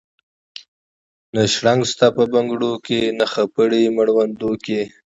نه شرنګا سته په بنګړو کي نه خپړي مړوندو کي